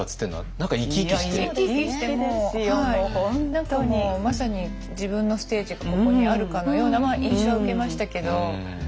何かもうまさに自分のステージがここにあるかのような印象は受けましたけど。